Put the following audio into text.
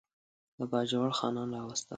د باجوړ خانان راوستل.